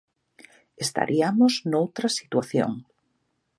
Estariamos noutra situación.